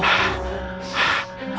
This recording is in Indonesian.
oh nanti gua